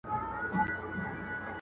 مسافري خواره خواري ده.